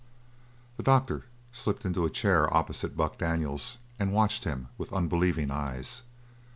The doctor slipped into a chair opposite Buck Daniels and watched him with unbelieving eyes.